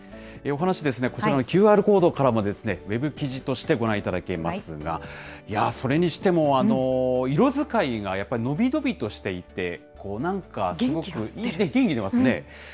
お話ですね、こちらのＱＲコードからも、ウェブ記事としてご覧いただけますが、それにしても、色使いがやっぱり伸び伸びとしていて、なんか元気出ますね。